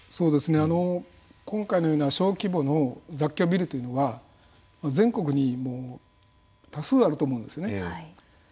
今回のような小規模の雑居ビルというのは全国に多数あると思うんですね。